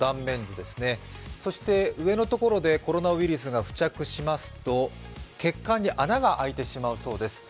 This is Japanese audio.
そして上のところでコロナウイルスが付着しますと血管に穴が開いてしまうそうです。